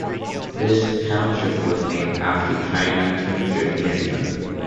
The township was named after China Township, Michigan.